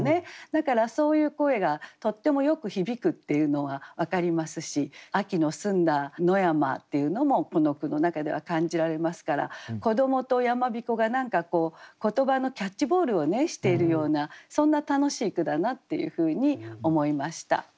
だからそういう声がとってもよく響くっていうのは分かりますし秋の澄んだ野山っていうのもこの句の中では感じられますから子どもと山彦が何か言葉のキャッチボールをしているようなそんな楽しい句だなっていうふうに思いました。